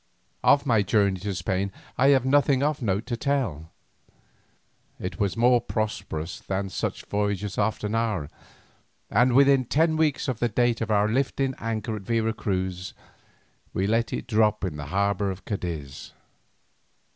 Of my journey to Spain I have nothing of note to tell. It was more prosperous than such voyages often are, and within ten weeks of the date of our lifting anchor at Vera Cruz, we let it drop in the harbour of Cadiz.